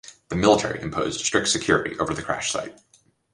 The military imposed strict security over the crash site.